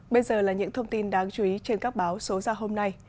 bây giờ là những thông tin đáng chú ý trên các báo số ra hôm nay